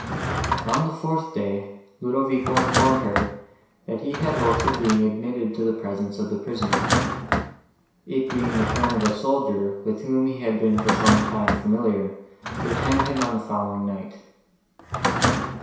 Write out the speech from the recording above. On the fourth day, Ludovico informed her, that he had hopes of being admitted to the presence of the prisoner; it being the turn of a soldier, with whom he had been for some time familiar, to attend him on the following night.